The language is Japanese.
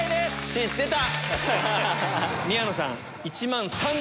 知ってた！